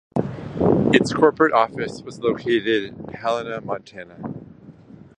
Its corporate office was located in Helena, Montana.